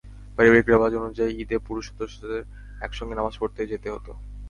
পারিবারিক রেওয়াজ অনুযায়ী ঈদে পুরুষ সদস্যদের একসঙ্গে নামাজ পড়তে যেতে হতো।